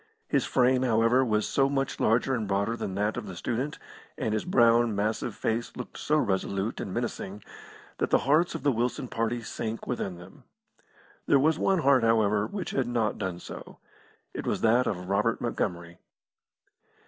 His frame, however, was so much larger and broader than that of the student, and his brown, massive face looked so resolute and menacing that the hearts of the Wilson party sank within them. There was one heart, however, which had not done so. It was that of Robert Montgomery.